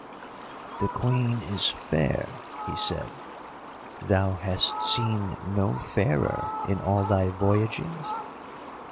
"The Queen is fair," he said; "thou hast seen no fairer in all thy voyagings?"